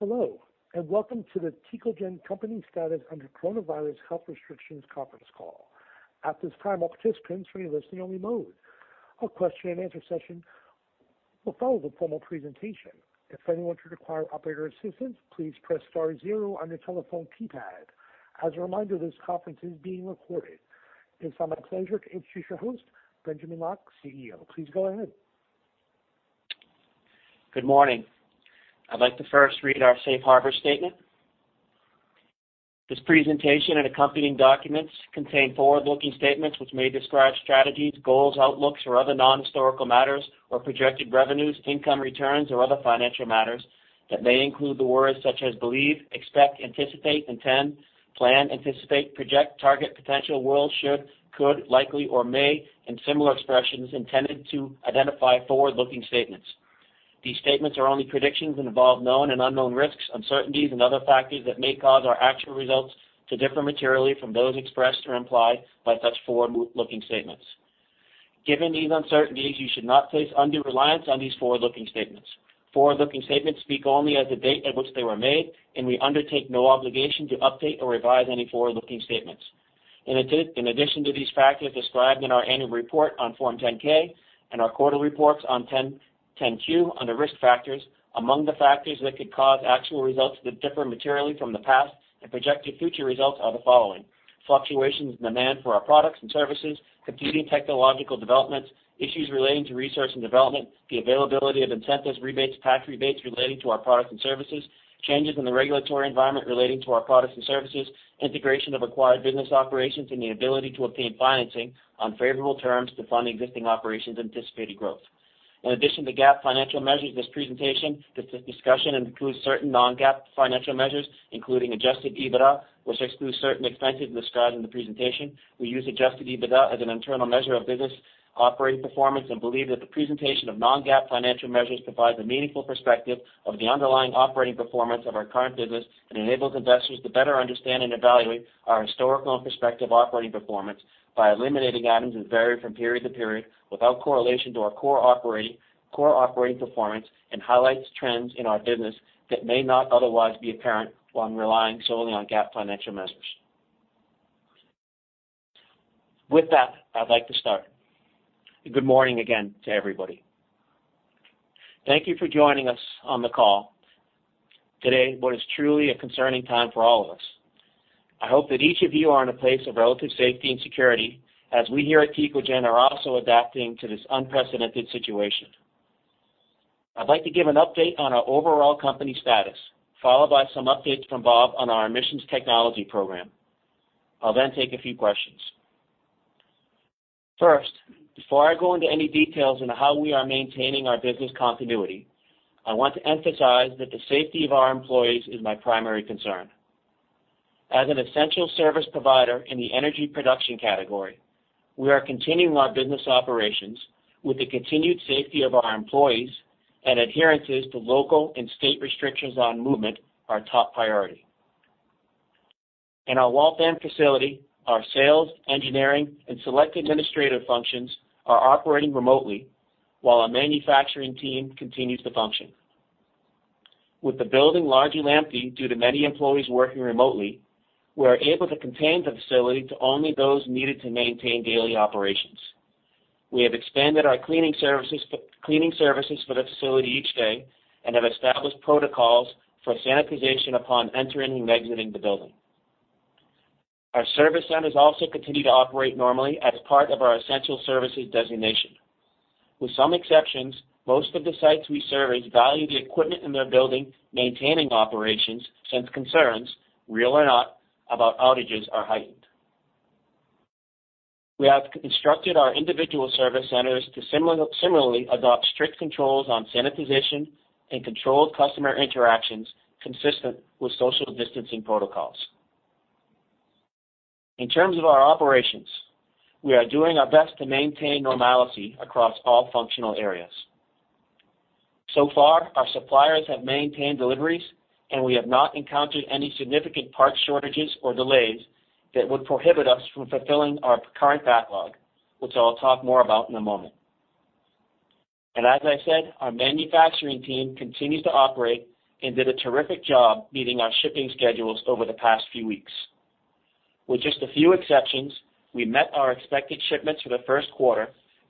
Hello, and welcome to the Tecogen Company Status under Coronavirus Health Restrictions conference call. At this time, all participants are in listening-only mode. A question and answer session will follow the formal presentation. If anyone should require operator assistance, please press star zero on your telephone keypad. As a reminder, this conference is being recorded. It's now my pleasure to introduce your host, Benjamin Locke, CEO. Please go ahead. Good morning. I'd like to first read our safe harbor statement. This presentation and accompanying documents contain forward-looking statements which may describe strategies, goals, outlooks, or other non-historical matters or projected revenues, income returns, or other financial matters that may include the words such as believe, expect, anticipate, intend, plan, project, target, potential, will, should, could, likely, or may, and similar expressions intended to identify forward-looking statements. These statements are only predictions and involve known and unknown risks, uncertainties, and other factors that may cause our actual results to differ materially from those expressed or implied by such forward-looking statements. Given these uncertainties, you should not place undue reliance on these forward-looking statements. Forward-looking statements speak only as of the date at which they were made, and we undertake no obligation to update or revise any forward-looking statements. In addition to these factors described in our annual report on Form 10-K and our quarterly reports on 10-Q under Risk Factors, among the factors that could cause actual results to differ materially from the past and projected future results are the following: fluctuations in demand for our products and services, competing technological developments, issues relating to research and development, the availability of incentives, rebates, tax rebates relating to our products and services, changes in the regulatory environment relating to our products and services, integration of acquired business operations, and the ability to obtain financing on favorable terms to fund existing operations and anticipated growth. In addition to GAAP financial measures, this discussion includes certain non-GAAP financial measures, including adjusted EBITDA, which excludes certain expenses described in the presentation. We use adjusted EBITDA as an internal measure of business operating performance and believe that the presentation of non-GAAP financial measures provides a meaningful perspective of the underlying operating performance of our current business and enables investors to better understand and evaluate our historical and prospective operating performance by eliminating items that vary from period to period without correlation to our core operating performance and highlights trends in our business that may not otherwise be apparent when relying solely on GAAP financial measures. With that, I'd like to start. Good morning again to everybody. Thank you for joining us on the call today what is truly a concerning time for all of us. I hope that each of you are in a place of relative safety and security as we here at Tecogen are also adapting to this unprecedented situation. I'd like to give an update on our overall company status, followed by some updates from Bob on our emissions technology program. I'll take a few questions. First, before I go into any details on how we are maintaining our business continuity, I want to emphasize that the safety of our employees is my primary concern. As an essential service provider in the energy production category, we are continuing our business operations with the continued safety of our employees and adherences to local and state restrictions on movement our top priority. In our Waltham facility, our sales, engineering, and select administrative functions are operating remotely while our manufacturing team continues to function. With the building largely empty due to many employees working remotely, we are able to contain the facility to only those needed to maintain daily operations. We have expanded our cleaning services for the facility each day and have established protocols for sanitization upon entering and exiting the building. Our service centers also continue to operate normally as part of our essential services designation. With some exceptions, most of the sites we service value the equipment in their building maintaining operations since concerns, real or not, about outages are heightened. We have instructed our individual service centers to similarly adopt strict controls on sanitization and controlled customer interactions consistent with social distancing protocols. In terms of our operations, we are doing our best to maintain normalcy across all functional areas. Far, our suppliers have maintained deliveries, and we have not encountered any significant parts shortages or delays that would prohibit us from fulfilling our current backlog, which I'll talk more about in a moment. As I said, our manufacturing team continues to operate and did a terrific job meeting our shipping schedules over the past few weeks. With just a few exceptions, we met our expected shipments for the first quarter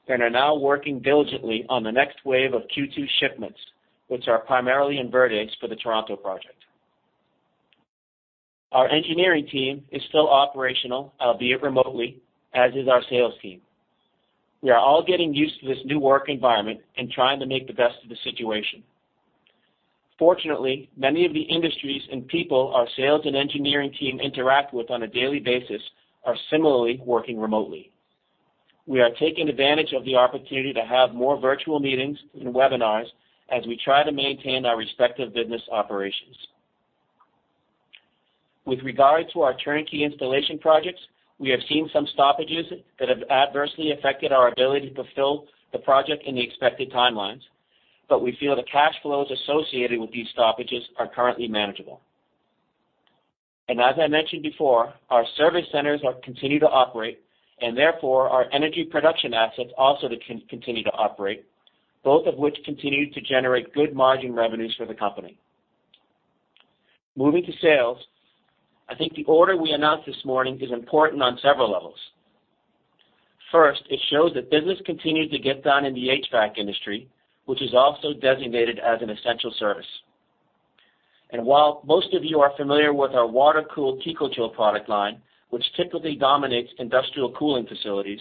and are now working diligently on the next wave of Q2 shipments, which are primarily InVerdes for the Toronto project. Our engineering team is still operational, albeit remotely, as is our sales team. We are all getting used to this new work environment and trying to make the best of the situation. Fortunately, many of the industries and people our sales and engineering team interact with on a daily basis are similarly working remotely. We are taking advantage of the opportunity to have more virtual meetings and webinars as we try to maintain our respective business operations. With regard to our turnkey installation projects, we have seen some stoppages that have adversely affected our ability to fulfill the project in the expected timelines, we feel the cash flows associated with these stoppages are currently manageable. As I mentioned before, our service centers have continued to operate, and therefore our energy production assets also continue to operate, both of which continue to generate good margin revenues for the company. Moving to sales, I think the order we announced this morning is important on several levels. First, it shows that business continues to get done in the HVAC industry, which is also designated as an essential service. While most of you are familiar with our water-cooled TECOCHILL product line, which typically dominates industrial cooling facilities,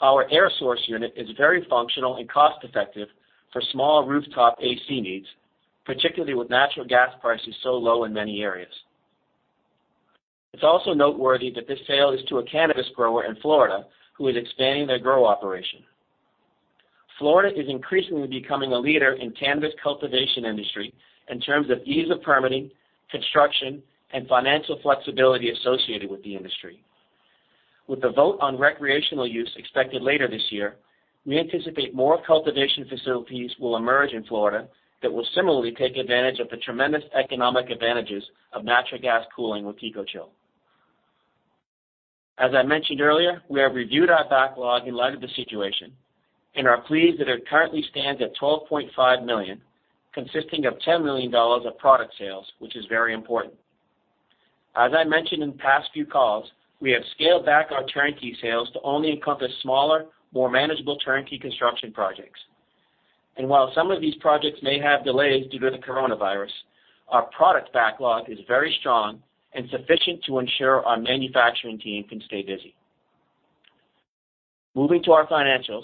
our air source unit is very functional and cost-effective for small rooftop AC needs, particularly with natural gas prices so low in many areas. It's also noteworthy that this sale is to a cannabis grower in Florida who is expanding their grow operation. Florida is increasingly becoming a leader in cannabis cultivation industry in terms of ease of permitting, construction, and financial flexibility associated with the industry. With the vote on recreational use expected later this year, we anticipate more cultivation facilities will emerge in Florida that will similarly take advantage of the tremendous economic advantages of natural gas cooling with TECOCHILL. As I mentioned earlier, we have reviewed our backlog in light of the situation and are pleased that it currently stands at $12.5 million, consisting of $10 million of product sales, which is very important. As I mentioned in the past few calls, we have scaled back our turnkey sales to only encompass smaller, more manageable turnkey construction projects. While some of these projects may have delays due to the coronavirus, our product backlog is very strong and sufficient to ensure our manufacturing team can stay busy. Moving to our financials,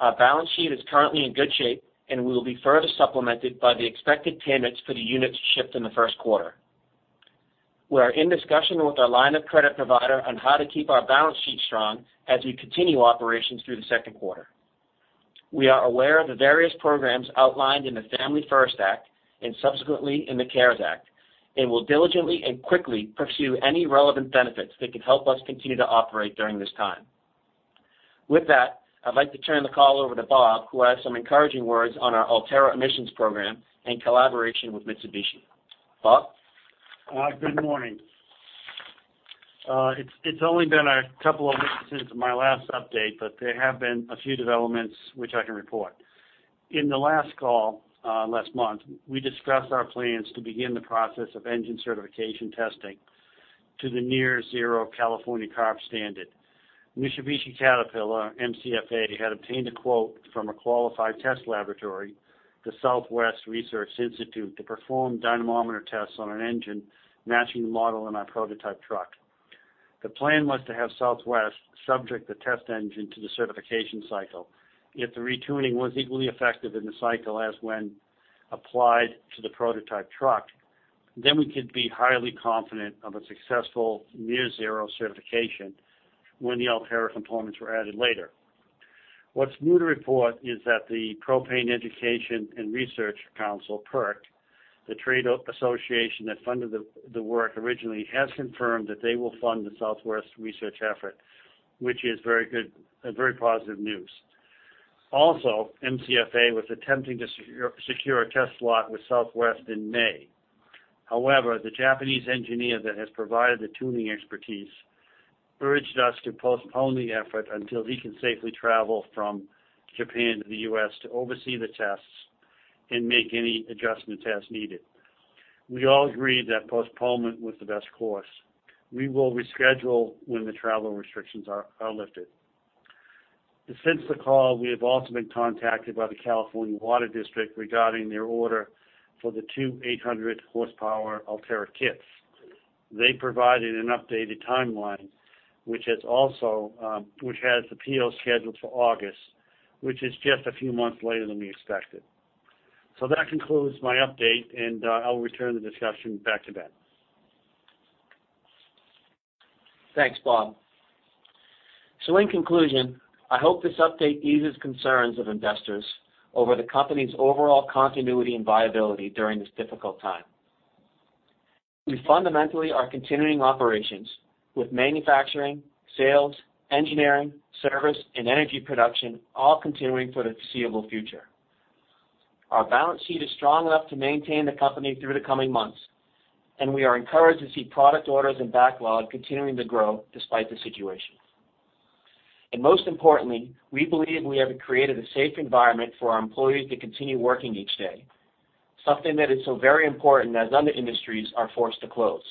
our balance sheet is currently in good shape, and we will be further supplemented by the expected payments for the units shipped in the first quarter. We are in discussion with our line of credit provider on how to keep our balance sheet strong as we continue operations through the second quarter. We are aware of the various programs outlined in the Family First Act and subsequently in the CARES Act, will diligently and quickly pursue any relevant benefits that could help us continue to operate during this time. With that, I'd like to turn the call over to Bob, who has some encouraging words on our Ultera emissions program in collaboration with Mitsubishi. Bob? Good morning. It's only been a couple of weeks since my last update, but there have been a few developments which I can report. In the last call, last month, we discussed our plans to begin the process of engine certification testing to the near-zero California CARB standard. Mitsubishi Caterpillar, MCFA, had obtained a quote from a qualified test laboratory, the Southwest Research Institute, to perform dynamometer tests on an engine matching the model in our prototype truck. The plan was to have Southwest subject the test engine to the certification cycle. If the retuning was equally effective in the cycle as when applied to the prototype truck, we could be highly confident of a successful near-zero certification when the Ultera components were added later. What's new to report is that the Propane Education & Research Council, PERC, the trade association that funded the work originally, has confirmed that they will fund the Southwest research effort, which is very good and very positive news. MCFA was attempting to secure a test slot with Southwest in May. However, the Japanese engineer that has provided the tuning expertise urged us to postpone the effort until he can safely travel from Japan to the U.S. to oversee the tests and make any adjustment tests needed. We all agreed that postponement was the best course. We will reschedule when the travel restrictions are lifted. Since the call, we have also been contacted by the California Water District regarding their order for the two 800 horsepower Ultera kits. They provided an updated timeline, which has the appeal scheduled for August, which is just a few months later than we expected. That concludes my update, and I'll return the discussion back to Ben. Thanks, Bob. In conclusion, I hope this update eases concerns of investors over the company's overall continuity and viability during this difficult time. We fundamentally are continuing operations with manufacturing, sales, engineering, service, and energy production all continuing for the foreseeable future. Our balance sheet is strong enough to maintain the company through the coming months, and we are encouraged to see product orders and backlog continuing to grow despite the situation. Most importantly, we believe we have created a safe environment for our employees to continue working each day, something that is so very important as other industries are forced to close.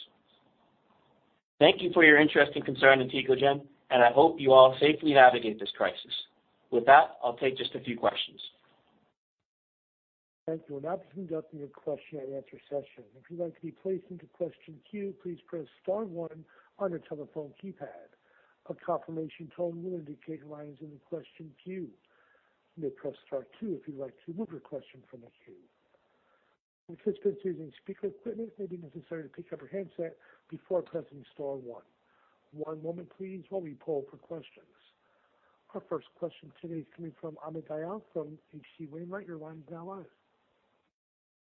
Thank you for your interest and concern in Tecogen, I hope you all safely navigate this crisis. With that, I'll take just a few questions. Thank you. We'll now be conducting a question and answer session. If you'd like to be placed into question queue, please press star 1 on your telephone keypad. A confirmation tone will indicate your line is in the question queue. You may press star 2 if you'd like to remove your question from the queue. Participants using speaker equipment may be necessary to pick up your handset before pressing star 1. One moment please while we pull for questions. Our first question today is coming from Amit Dayal from H.C. Wainwright. Your line is now live.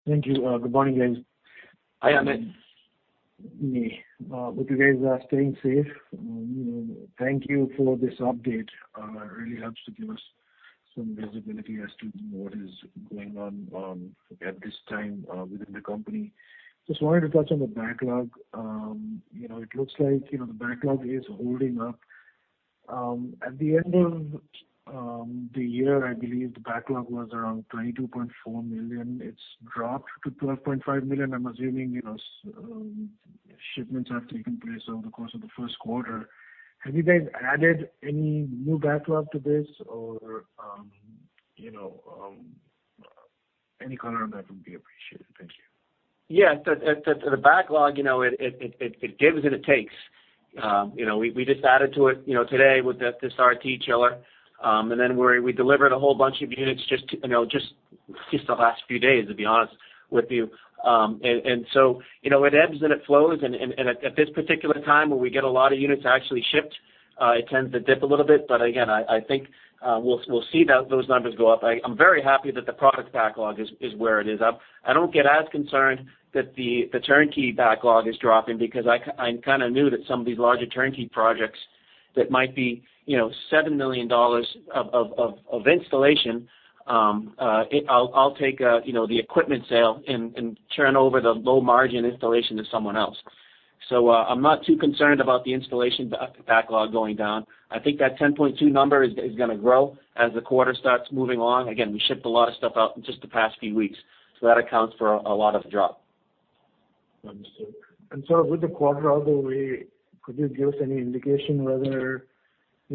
Thank you. Good morning, guys. Hi, Amit. With you guys staying safe- Thank you for this update. It really helps to give us some visibility as to what is going on at this time within the company. Just wanted to touch on the backlog. It looks like the backlog is holding up. At the end of the year, I believe the backlog was around $22.4 million. It's dropped to $12.5 million. I'm assuming, shipments have taken place over the course of the first quarter. Have you guys added any new backlog to this or any color on that would be appreciated. Thank you. Yeah. The backlog, it gives and it takes. We just added to it today with this RT chiller. Then we delivered a whole bunch of units just the last few days, to be honest with you. It ebbs and it flows, and at this particular time where we get a lot of units actually shipped, it tends to dip a little bit. Again, I think we'll see those numbers go up. I'm very happy that the product backlog is where it is up. I don't get as concerned that the turnkey backlog is dropping because I kind of knew that some of these larger turnkey projects that might be $7 million of installation, I'll take the equipment sale and churn over the low-margin installation to someone else. I'm not too concerned about the installation backlog going down. I think that 10.2 number is going to grow as the quarter starts moving along. Again, we shipped a lot of stuff out in just the past few weeks, so that accounts for a lot of drop. Understood. With the quarter out of the way, could you give us any indication whether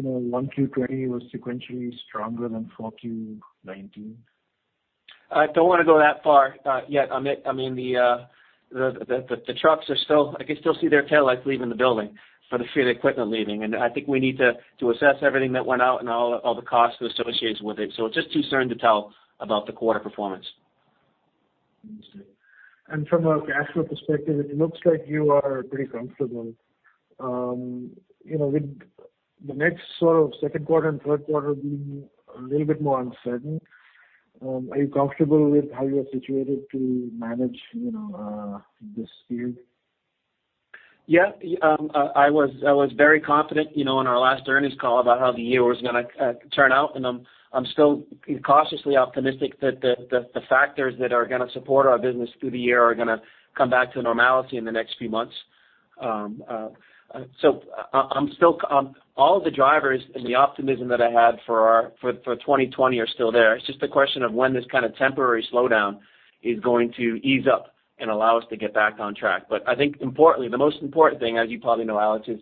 1Q '20 was sequentially stronger than 4Q '19? I don't want to go that far yet, Amit. I mean, I can still see their taillights leaving the building for the few equipment leaving. I think we need to assess everything that went out and all the costs associated with it. It's just too soon to tell about the quarter performance. Understood. From a cash flow perspective, it looks like you are pretty comfortable. With the next sort of second quarter and third quarter being a little bit more uncertain, are you comfortable with how you are situated to manage this period? I was very confident in our last earnings call about how the year was going to turn out. I'm still cautiously optimistic that the factors that are going to support our business through the year are going to come back to normality in the next few months. All the drivers and the optimism that I had for 2020 are still there. It's just a question of when this kind of temporary slowdown is going to ease up and allow us to get back on track. I think importantly, the most important thing, as you probably know, Alex, is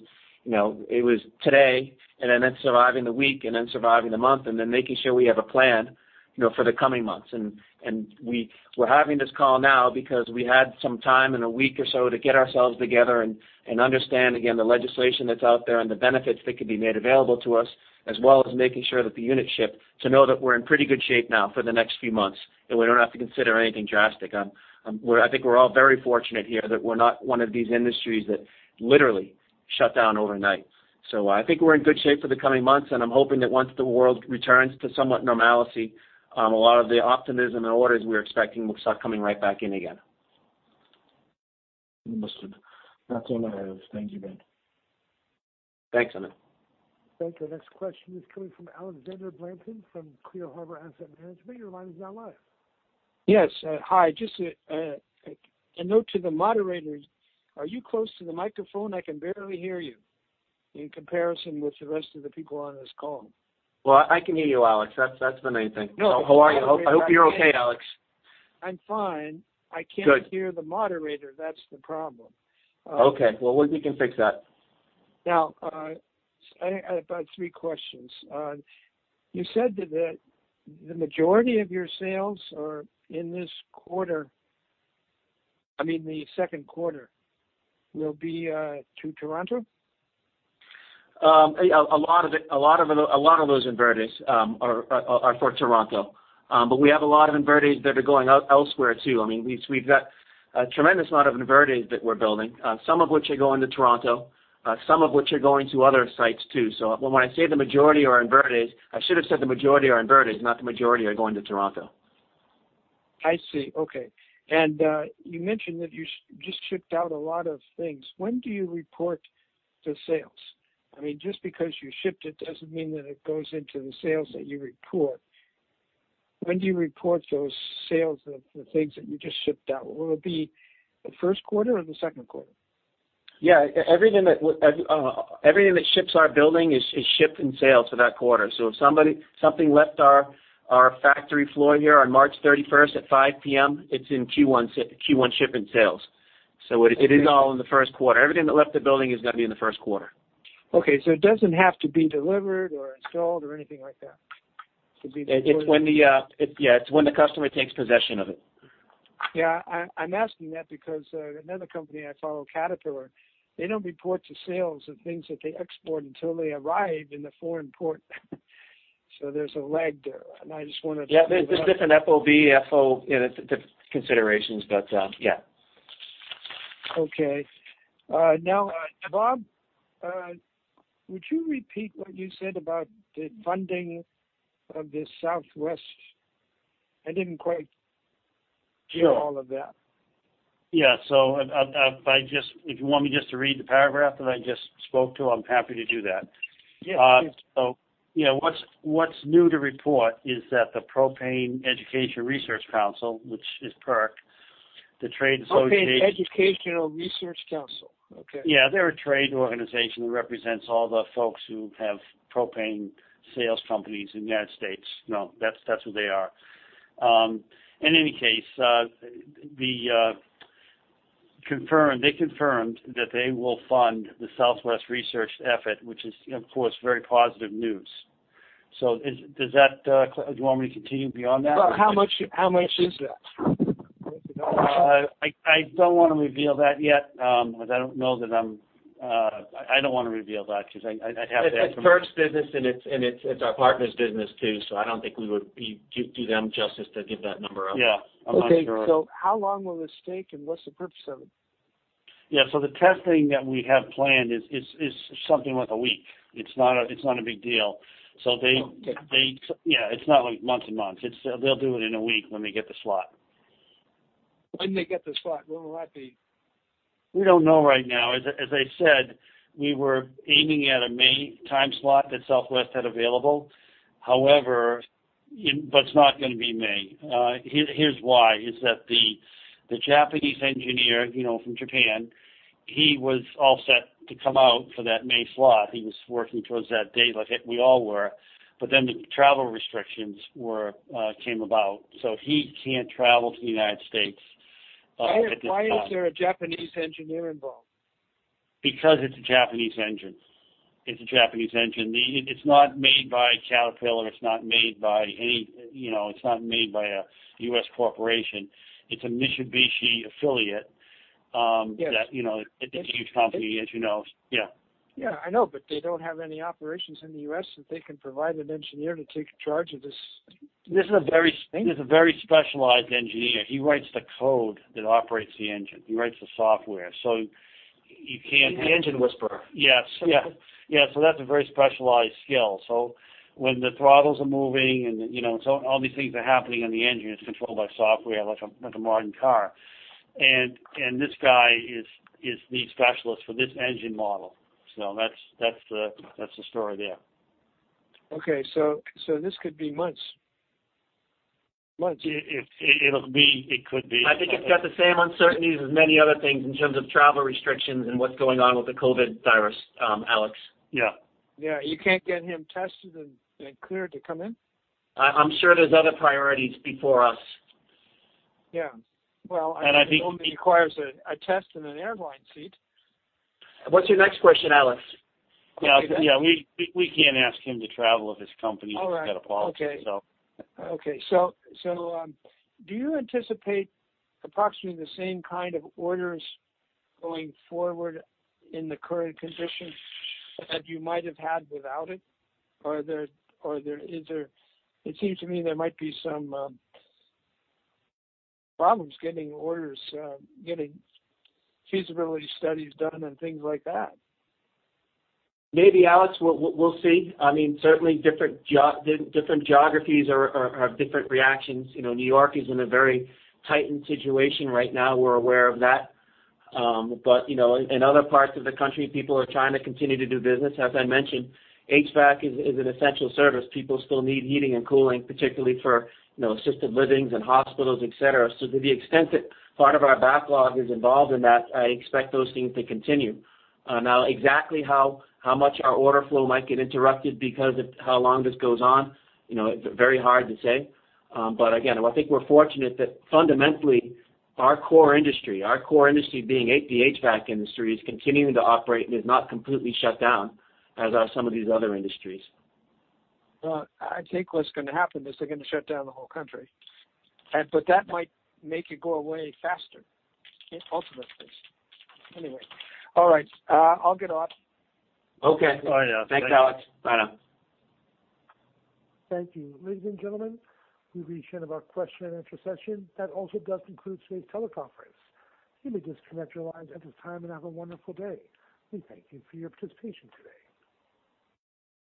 it was today, and then it's surviving the week and then surviving the month, and then making sure we have a plan for the coming months. We're having this call now because we had some time in a week or so to get ourselves together and understand, again, the legislation that's out there and the benefits that could be made available to us, as well as making sure that the units ship, to know that we're in pretty good shape now for the next few months, and we don't have to consider anything drastic. I think we're all very fortunate here that we're not one of these industries that literally shut down overnight. I think we're in good shape for the coming months, and I'm hoping that once the world returns to somewhat normality, a lot of the optimism and orders we're expecting will start coming right back in again. Understood. That's all I have. Thank you, Ben. Thanks, Amit. Thank you. Next question is coming from Alexander Blanton from Clear Harbor Asset Management. Your line is now live. Yes. Hi. Just a note to the moderator. Are you close to the microphone? I can barely hear you in comparison with the rest of the people on this call. Well, I can hear you, Alex. That's the main thing. No. How are you? I hope you're okay, Alex. I'm fine. Good. I can't hear the moderator. That's the problem. Okay. Well, we can fix that. Now, I have about three questions. You said that the majority of your sales are in this quarter, I mean the second quarter, will be to Toronto? A lot of those InVerdes are for Toronto. We have a lot of InVerdes that are going out elsewhere, too. I mean, we've got a tremendous amount of InVerdes that we're building, some of which are going to Toronto, some of which are going to other sites, too. When I say the majority are InVerdes, I should have said the majority are InVerdes, not the majority are going to Toronto. I see. Okay. You mentioned that you just shipped out a lot of things. When do you report the sales? I mean, just because you shipped it doesn't mean that it goes into the sales that you report. When do you report those sales of the things that you just shipped out? Will it be the first quarter or the second quarter? Yeah. Everything that ships our building is shipped and sale for that quarter. If something left our factory floor here on March 31st at 5:00 P.M., it's in Q1 ship and sales. It is all in the first quarter. Everything that left the building is going to be in the first quarter. Okay. It doesn't have to be delivered or installed or anything like that. It's when the customer takes possession of it. Yeah. I'm asking that because another company I follow, Caterpillar, they don't report the sales of things that they export until they arrive in the foreign port. There's a lag there, and I just wanted to. Yeah. There's different FOB, different considerations, yeah. Okay. Bob, would you repeat what you said about the funding of the Southwest? I didn't quite. Sure all of that. Yeah. If you want me just to read the paragraph that I just spoke to, I'm happy to do that. Yeah, please. What's new to report is that the Propane Education & Research Council, which is PERC, the trade association. Propane Education & Research Council. Okay. Yeah. They're a trade organization that represents all the folks who have propane sales companies in the U.S. No, that's who they are. In any case, they confirmed that they will fund the Southwest research effort, which is, of course, very positive news. Do you want me to continue beyond that? How much is that? I don't want to reveal that yet. I don't want to reveal that. It's PERC's business and it's our partner's business too. I don't think we would do them justice to give that number out. Yeah. I'm not sure. Okay. How long will this take, and what's the purpose of it? Yeah. The testing that we have planned is something like a week. It's not a big deal. Okay. Yeah. It's not like months and months. They'll do it in a week when they get the slot. When they get the slot, when will that be? We don't know right now. As I said, we were aiming at a May time slot that Southwest had available. It's not going to be May. Here's why, is that the Japanese engineer from Japan, he was all set to come out for that May slot. He was working towards that date like we all were. The travel restrictions came about, he can't travel to the U.S. at this time. Why is there a Japanese engineer involved? It's a Japanese engine. It's a Japanese engine. It's not made by Caterpillar, and it's not made by a U.S. corporation. It's a Mitsubishi affiliate. Yes. It's a huge company, as you know. Yeah. Yeah, I know, they don't have any operations in the U.S. that they can provide an engineer to take charge of this thing? He's a very specialized engineer. He writes the code that operates the engine. He writes the software. The engine whisperer. Yes. Okay. Yeah. That's a very specialized skill. When the throttles are moving and all these things are happening in the engine, it's controlled by software, like a modern car. This guy is the specialist for this engine model. That's the story there. Okay. This could be months. It could be. I think it's got the same uncertainties as many other things in terms of travel restrictions and what's going on with the COVID virus, Alex. Yeah. Yeah. You can't get him tested and cleared to come in? I'm sure there's other priorities before us. Yeah. And I think- it only requires a test and an airline seat. What's your next question, Alex? Yeah. We can't ask him to travel if his company's got a policy. All right. Okay. Do you anticipate approximately the same kind of orders going forward in the current condition that you might have had without it? It seems to me there might be some problems getting orders, getting feasibility studies done, and things like that. Maybe, Alex. We'll see. Certainly, different geographies have different reactions. New York is in a very tightened situation right now. We're aware of that. In other parts of the country, people are trying to continue to do business. As I mentioned, HVAC is an essential service. People still need heating and cooling, particularly for assisted livings and hospitals, et cetera. To the extent that part of our backlog is involved in that, I expect those things to continue. Now, exactly how much our order flow might get interrupted because of how long this goes on, it's very hard to say. Again, I think we're fortunate that fundamentally, our core industry being the HVAC industry, is continuing to operate and is not completely shut down as are some of these other industries. Well, I think what's going to happen is they're going to shut down the whole country. That might make it go away faster, ultimately. Anyway. All right. I'll get off. Okay. Bye now. Thanks. Thanks, Alex. Bye now. Thank you. Ladies and gentlemen, we've reached the end of our question and answer session. That also does conclude today's teleconference. You may disconnect your lines at this time, and have a wonderful day. We thank you for your participation today.